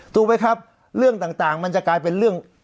ถูกไหมครับเรื่องต่างมันจะกลายเป็นเรื่อง